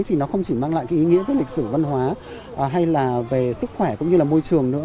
thì nó không chỉ mang lại cái ý nghĩa về lịch sử văn hóa hay là về sức khỏe cũng như là môi trường nữa